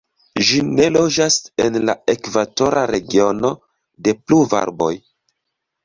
Ĝi ne loĝas en la ekvatora regiono de pluvarbaroj.